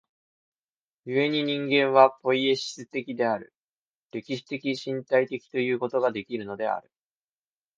故に人間はポイエシス的である、歴史的身体的ということができるのである。